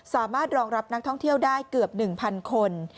สามารถรองรับนักท่องเที่ยวได้เกือบ๑๐๐คน